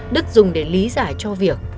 đức dùng để lý giải cho việc